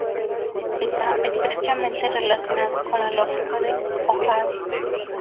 Está estrechamente relacionado con la lógica de Hoare.